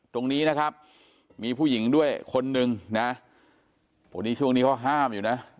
ตรงนี้นะครับมีผู้หญิงด้วยคนนึงนะโอ้นี่ช่วงนี้เขาห้ามอยู่นะ